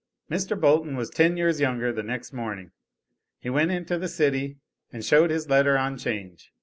Mr. Bolton was ten years younger the next morning. He went into the city, and showed his letter on change.